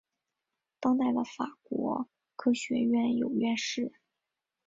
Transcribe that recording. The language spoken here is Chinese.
当代的法国科学院有院士。